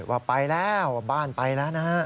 ว่าไปแล้วบ้านไปแล้วนะฮะ